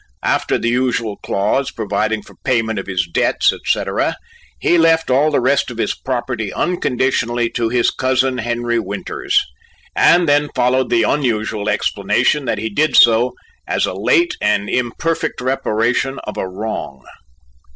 After the usual clause, providing for payment of his debts, etc., he left all the rest of his property unconditionally to his cousin, Henry Winters, and then followed the unusual explanation that he did so, "as a late and imperfect reparation of a wrong."